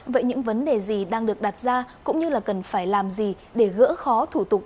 vậy những vấn đề gì đang được đặt ra cũng như là cần phải làm gì để gỡ khó thủ tục